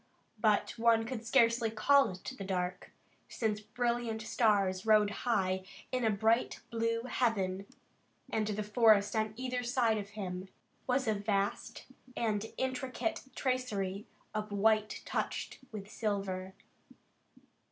But one could scarcely call it the dark, since brilliant stars rode high in a bright blue heaven, and the forest on either side of him was a vast and intricate tracery of white touched with silver.